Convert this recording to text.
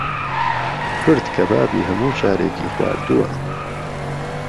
کورد کەبابی هەمووشارێکی خۆاردووە